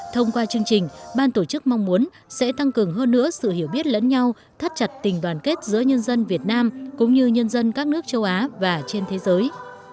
thông qua chương trình ban tổ chức mong muốn sẽ tăng cường hơn nữa sự hiểu biết lẫn nhau thắt chặt tình đoàn kết giữa nhân dân việt nam cũng như nhân dân các nước châu á và trên thế giới